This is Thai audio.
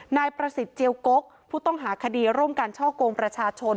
นายประสิทธิ์เจียวกกผู้ต้องหาคดีร่วมกันช่อกงประชาชน